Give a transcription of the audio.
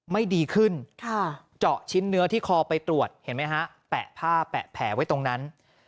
ไม่ดีขึ้นเจาะชิ้นเนื้อที่คอไปตรวจเห็นไหมฮะแปะผ้าแปะแผลไว้ตรงนั้น